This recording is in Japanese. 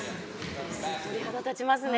鳥肌立ちますね。